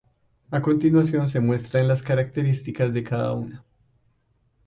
A continuación se muestran las características de cada una.